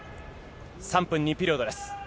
３分２ピリオドです。